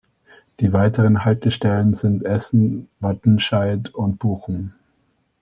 Die weiteren Haltestellen sind Essen, Wattenscheid und Bochum.